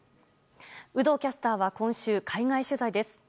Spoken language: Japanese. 有働キャスターは今週海外取材です。